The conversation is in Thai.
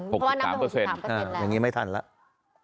เพราะว่านับไป๖๓แบบนี้ไม่ทันแล้ว